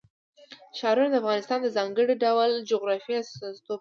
ښارونه د افغانستان د ځانګړي ډول جغرافیه استازیتوب کوي.